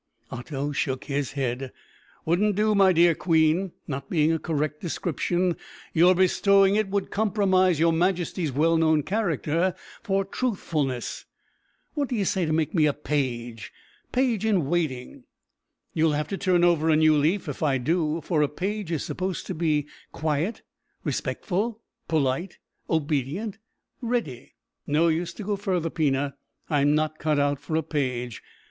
Otto shook his head. "Wouldn't do, my dear queen. Not being a correct description, your bestowing it would compromise your majesty's well known character for truthfulness. What d'you say to make me a page page in waiting?" "You'll have to turn over a new leaf if I do, for a page is supposed to be quiet, respectful, polite, obedient, ready " "No use to go further, Pina. I'm not cut out for a page.